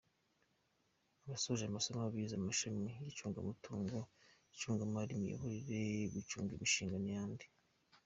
Abasoje amasomo bize amashami y’icungamutungo, icungamari, imiyoborere, gucunga imishinga n’ayandi.